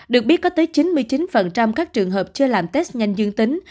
được biết có tới chín mươi chín các trường hợp chưa làm test nhanh dương tính